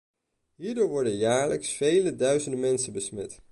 Hierdoor worden jaarlijks vele duizenden mensen besmet.